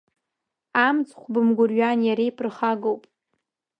Амцхә бымгәырҩан, иара иԥырхагоуп!